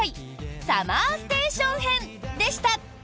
ＳＵＭＭＥＲＳＴＡＴＩＯＮ編でした。